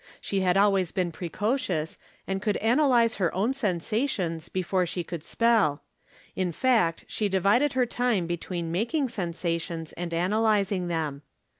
She had always been precocious and could analyze her own sensations before she could spell. In fact she divided her time between making sensations and analyzing them.